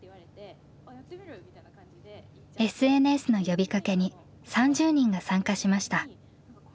ＳＮＳの呼びかけに３０人が参加しました。